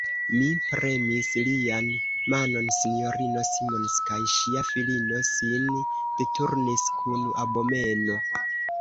Mi premis lian manon; S-ino Simons kaj ŝia filino sin deturnis kun abomeno.